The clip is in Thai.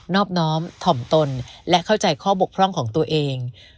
อบน้อมถ่อมตนและเข้าใจข้อบกพร่องของตัวเอง